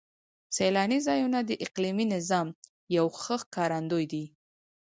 سیلاني ځایونه د اقلیمي نظام یو ښه ښکارندوی دی.